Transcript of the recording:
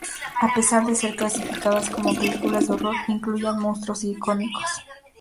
A pesar de ser clasificadas como películas de horror, incluían monstruos icónicos.